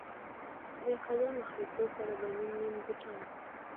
چې د قدم اخيستو سره به نيم نيم بوټان